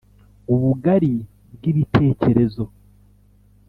ubugari bwi'bitekerezo